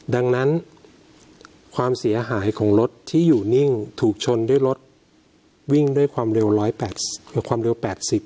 ดังนั้นความเสียหายของรถที่อยู่นิ่งถูกชนด้วยรถวิ่งด้วยความเร็ว๑ความเร็ว๘๐